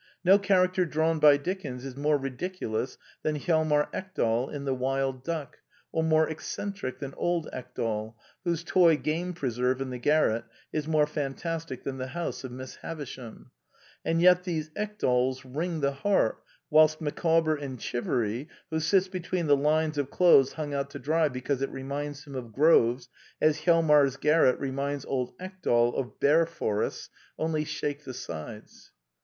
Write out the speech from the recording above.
No char acter drawn by Dickens is more ridiculous than Hjalmar Ekdal in The Wild Duck, or more ec centric than old Ekdal, whose toy game preserve in the garret is more fantastic than the house of Miss Havisham ; and yet these Ekdals wring the heart whilst Micawber and Chivery (who sits between the lines of clothes hung out to dry because " it reminds him of groves " as Hjal mar's garret reminds old Ekdal of bear forests) only shake the sides.